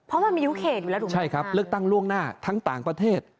เพราะมันมียุเขตอยู่แล้วถูกไหมใช่ครับเลือกตั้งล่วงหน้าทั้งต่างประเทศ